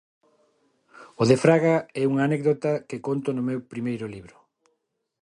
O de Fraga é unha anécdota que conto no meu primeiro libro.